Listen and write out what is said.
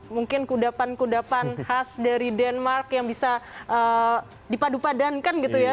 mungkin kudapan kudapan khas dari denmark yang bisa dipadu padankan gitu ya